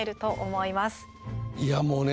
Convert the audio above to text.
いや、もうね